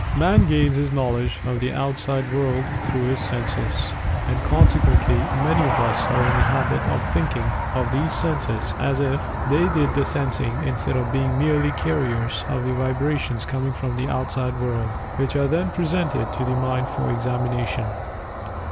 Man gains his knowledge of the outside world through his senses. And, consequently, many of us are in the habit of thinking of these senses as if they did the sensing, instead of being merely carriers of the vibrations coming from the outside world, which are then presented to the Mind for examination.